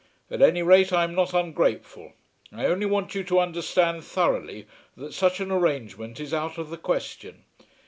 "At any rate I am not ungrateful. I only want you to understand thoroughly that such an arrangement is out of the question.